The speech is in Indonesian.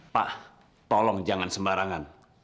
pak tolong jangan sembarangan